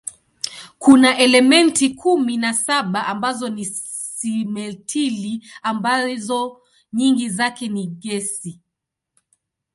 Kuna elementi kumi na saba ambazo ni simetili ambazo nyingi zake ni gesi.